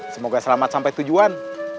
semoga selamat sampai tujuan